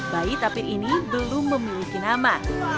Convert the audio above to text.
bayi tapir ini belum memiliki nama